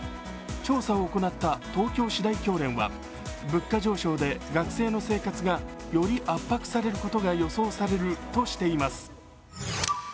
調査を行った東京私大教連は物価上昇で学生の生活がより圧迫されることが予想されるとしています。